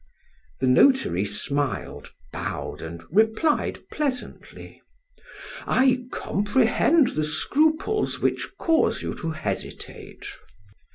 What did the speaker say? The notary smiled, bowed, and replied pleasantly: "I comprehend the scruples which cause you to hesitate.